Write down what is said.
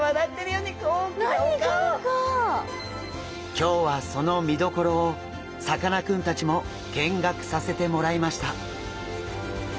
今日はその見どころをさかなクンたちも見学させてもらいました。